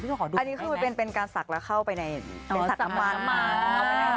อันนี้คือเป็นการสักแล้วเข้าไปในสักน้ำหวาน